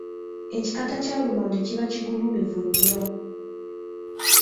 Ekikata kya lumonde kiba kigulumivu nnyo.